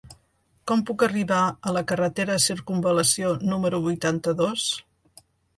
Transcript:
Com puc arribar a la carretera Circumval·lació número vuitanta-dos?